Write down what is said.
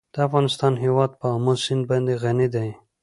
د افغانستان هیواد په آمو سیند باندې غني دی.